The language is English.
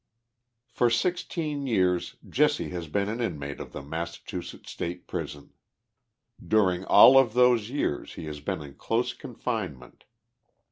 # For sixteen years Jesse has been an inmate of the Massachu setts State Prison. During all of those years lie has been in close confinement.